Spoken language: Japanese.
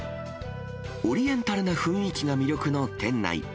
オリエンタルな雰囲気が魅力の店内。